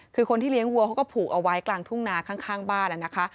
คือคนที่เลี้ยงวัวเขาก็ผูกเอาไว้กลางทุ่งนาข้างบ้านนะคะ